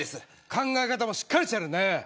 考え方もしっかりしてるね。